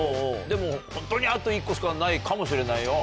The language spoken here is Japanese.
でも本当にあと１個しかないかもしれないよ。